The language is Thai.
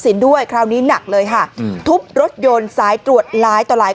ด้วยคราวนี้หนักเลยค่ะอืมทุบรถยนต์สายตรวจหลายต่อหลาย